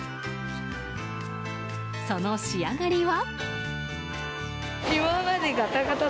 その仕上がりは。